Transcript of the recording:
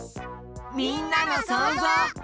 みんなのそうぞう。